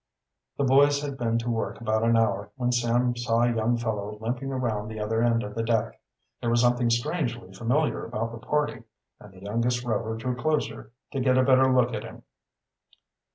The boys had been to work about an hour when Sam saw a young fellow limping around the other end of the deck. There was something strangely familiar about the party, and the youngest Rover drew closer to get a better look at him.